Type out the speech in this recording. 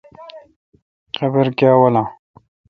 قابر کاں والان۔